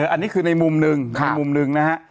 อันนี้คือในมุมหนึ่งในมุมหนึ่งนะฮะ